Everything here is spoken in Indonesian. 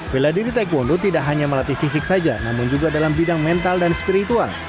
bela diri taekwondo tidak hanya melatih fisik saja namun juga dalam bidang mental dan spiritual